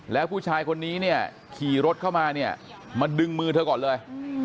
แล้วผู้ชายคนนี้เนี่ยขี่รถเข้ามาเนี่ยมาดึงมือเธอก่อนเลย